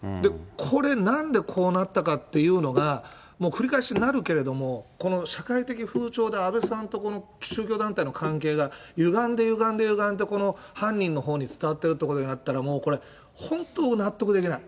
これ、なんでこうなったかっていうのが、もう繰り返しになるけれども、この社会的風潮で、安倍さんとこの宗教団体の関係がゆがんでゆがんでゆがんで、この犯人のほうに伝わってるということになったら、本当、僕納得できない。